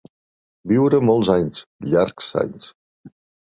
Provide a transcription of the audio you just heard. Viure molts anys, llargs anys.